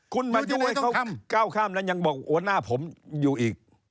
อยู่ที่ไหนต้องทำคุณมาด้วยเขาเก้าข้ามแล้วยังบอกหัวหน้าผมอยู่อีก